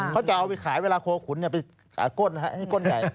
เขาจะเอาไปขายเวลาโคขุนไปขายก้นให้ก้นใหญ่